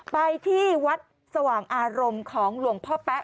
ไปที่วัดสว่างอารมณ์ของหลวงพ่อแป๊ะ